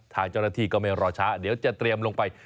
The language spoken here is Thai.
ทางเจ้าหน้าที่ก็ไม่รอช้าเดี๋ยวจะเตรียมลงไป